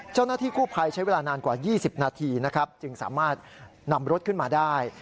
เจ้าหน้าที่กู้ภัยใช้เวลานานกว่า๒๐นาทีนะครับจึงสามารถนำรถขึ้นมาได้